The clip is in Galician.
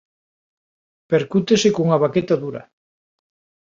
Percútese cunha baqueta dura.